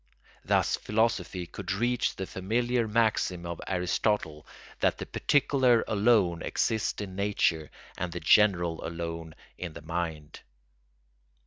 Thus philosophy could reach the familiar maxim of Aristotle that the particular alone exists in nature and the general alone in the mind.